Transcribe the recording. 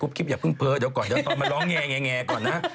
พี่ยุ่ม๗๐แล้วนะ